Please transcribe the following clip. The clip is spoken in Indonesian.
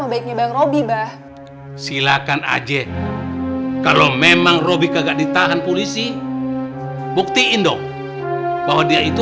baiknya bang robby bah silakan aja kalau memang roby kagak ditahan polisi buktiin dong bahwa dia itu